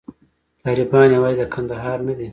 طالبان یوازې د کندهار نه دي.